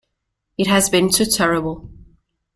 It has been too terrible.